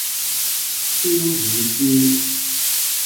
燒乳豬